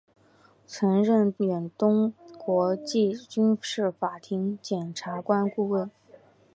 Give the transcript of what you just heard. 曾任远东国际军事法庭检察官顾问。